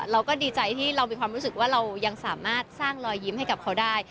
เราก็ดีใจที่เรามีความรู้สึกว่าเรายังสามารถสร้างรอยยิ้มให้กับเขาได้